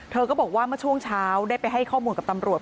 ก็บอกว่าเมื่อช่วงเช้าได้ไปให้ข้อมูลกับตำรวจ